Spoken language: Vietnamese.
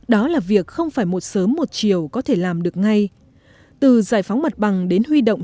đó là việc không phải một sớm một chiều có thể làm được ngay từ giải phóng mặt bằng đến huy động